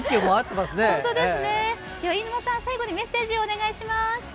飯沼さん、最後にメッセージをお願いします。